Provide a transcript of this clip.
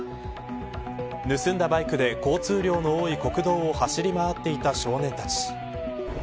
盗んだバイクで交通量の多い国道を走り回っていた少年たち。